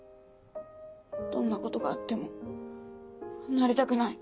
どんなことがあっても離れたくない。